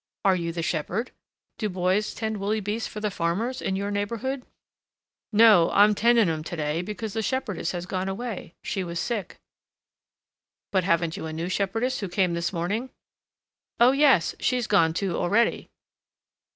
"Are you the shepherd? do boys tend woolly beasts for the farmers in your neighborhood?" "No. I'm tending 'em to day because the shepherdess has gone away: she was sick." "But haven't you a new shepherdess who came this morning?" "Oh! yes! she's gone, too, already."